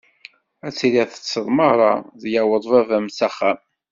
Ad tiliḍ teṭṭseḍ mara d-yaweḍ baba-m s axxam.